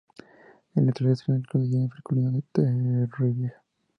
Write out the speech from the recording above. En la actualidad entrena al Club Jennifer Colino de Torrevieja.